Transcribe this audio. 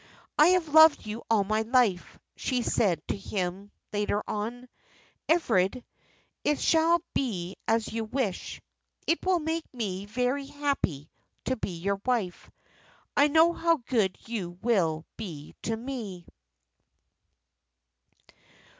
"I have loved you all my life," she said to him, later on. "Everard, it shall be as you wish. It will make me very happy to be your wife. I know how good you will be to me."